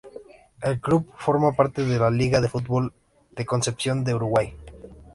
El club forma parte de la Liga de Fútbol de Concepción del Uruguay.